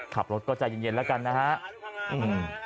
ขับรถก็ใจเย็นแล้วกันนะครับ